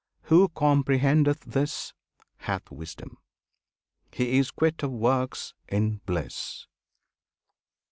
Who comprehendeth this Hath wisdom! He is quit of works in bliss!